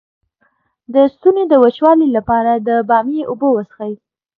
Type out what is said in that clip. د ستوني د وچوالي لپاره د بامیې اوبه وڅښئ